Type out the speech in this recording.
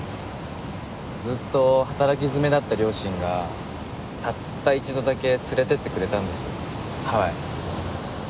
ずっと働き詰めだった両親がたった一度だけ連れていってくれたんですハワイ。